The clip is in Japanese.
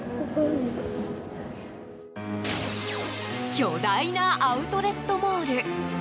巨大なアウトレットモール。